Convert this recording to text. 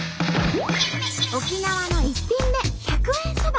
沖縄の１品目１００円そば。